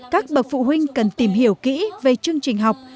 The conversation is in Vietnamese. các bậc phụ huynh cần tìm hiểu kỹ về chương trình học